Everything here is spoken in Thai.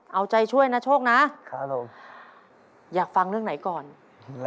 เอาใจช่วยนะโชคนะอยากฟังเรื่องไหนก่อนนะครับ